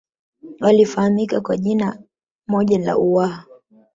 walifahamika kwa jina moja la Uwaha